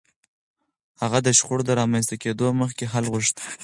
هغه د شخړو د رامنځته کېدو مخکې حل غوښت.